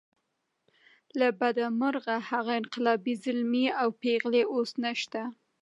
له بده مرغه هغه انقلابي زلمي او پېغلې اوس نشته.